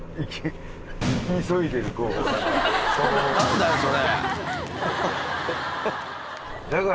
何だよそれ！